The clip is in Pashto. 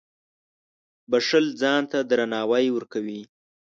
• بښل ځان ته درناوی ورکوي.